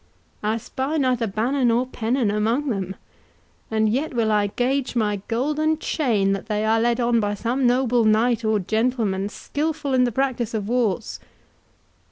I spy neither banner nor pennon among them, and yet will I gage my golden chain, that they are led on by some noble knight or gentleman, skilful in the practice of wars."